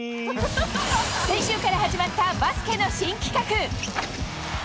先週から始まったバスケの新企画。